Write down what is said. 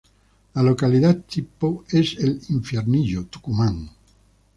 La localidad tipo es el Infiernillo, Tucumán.